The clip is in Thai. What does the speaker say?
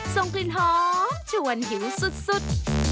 ส่งกลิ่นหอมชวนหิวสุด